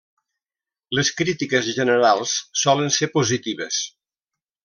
Les crítiques generals solen ser positives.